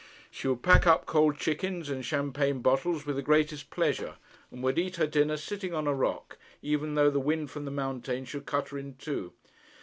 She would pack up cold chickens and champagne bottles with the greatest pleasure, and would eat her dinner sitting on a rock, even though the wind from the mountains should cut her in two.